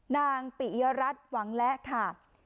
นางปีเอียรัฐหวังและค่ะ